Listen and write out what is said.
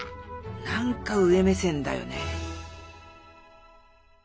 なんか上目線だよね。